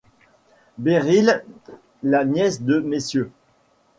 Beryl, la nièce de Mrs.